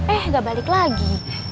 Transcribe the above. eh enggak balik lagi